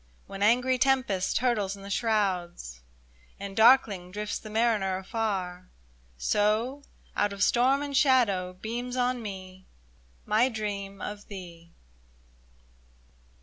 When angry tempest hurtles in the shrouds, And darkling drifts the mariner afar. So, out of storm and shadow, beams on me My dream of thee